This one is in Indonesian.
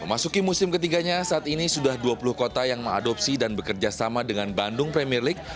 memasuki musim ketiganya saat ini sudah dua puluh kota yang mengadopsi dan bekerja sama dengan bandung premier league